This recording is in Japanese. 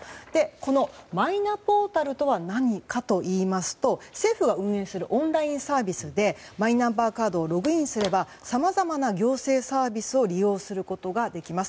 このマイナポータルとは何かといいますと政府が運営するオンラインサービスでマイナンバーカードをログインすればさまざまな行政サービスを利用することができます。